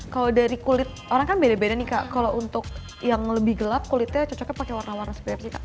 kalau dari kulit orang kan beda beda nih kak kalau untuk yang lebih gelap kulitnya cocoknya pakai warna warna seperti kak